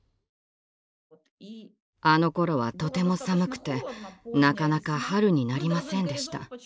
あのころはとても寒くてなかなか春になりませんでした。